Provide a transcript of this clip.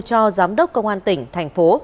cho giám đốc công an tỉnh thành phố